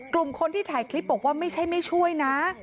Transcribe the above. กลุ่มคนที่ถ่ายคลิปบอกว่าไม่ใช่ไม่ช่วยนะ